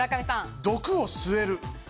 毒を吸える。